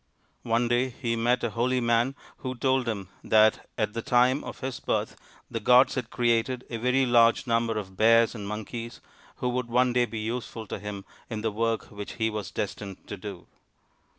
One day he met a holy man who told him that at the time of his birth the gods had created a very large number of Bears and Monkeys who would one day be useful to him in the work which he was destined to do.